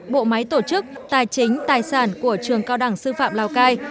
bộ máy tổ chức tài chính tài sản của trường cao đẳng sư phạm lào cai